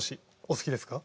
お好きですか？